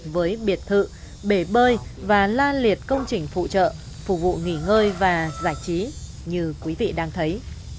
với biệt thự bể bơi và la liệt công trình phụ trợ phục vụ nghỉ ngơi và giải trí như quý vị đang thấy